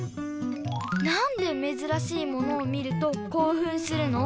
なんでめずらしいものを見るとこうふんするの？